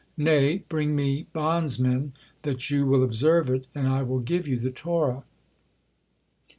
Nay, bring Me bondsmen, that you will observe it, and I will give you the Torah."